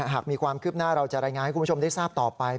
หากมีความคืบหน้าเราจะรายงานให้คุณผู้ชมได้ทราบต่อไป